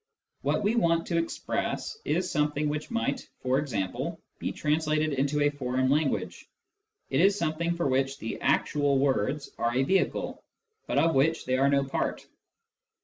What we want to express is something which might (for example) be translated into a foreign language ; it is something for which the actual words are a vehicle, but of which they are no part.